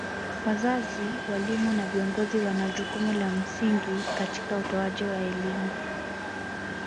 Wazazi walimu na viongozi wana jukumu la msingi katika utoaji wa elimu